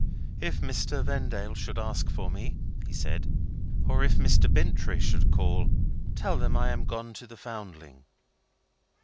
"If Mr. Vendale should ask for me," he said, "or if Mr. Bintrey should call, tell them I am gone to the Foundling."